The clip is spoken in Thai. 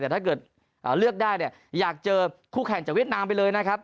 แต่ถ้าเกิดเลือกได้เนี่ยอยากเจอคู่แข่งจากเวียดนามไปเลยนะครับ